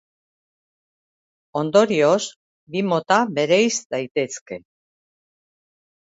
Ondorioz, bi mota bereiz daitezke.